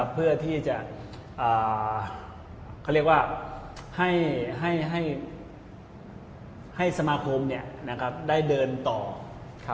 เพื่อที่จะเขาเรียกว่าให้สมาคมได้เดินต่อ